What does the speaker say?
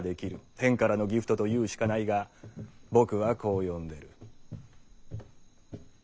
天からのギフトと言うしかないが僕はこう呼んでる。